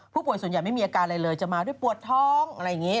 ส่วนใหญ่ไม่มีอาการอะไรเลยจะมาด้วยปวดท้องอะไรอย่างนี้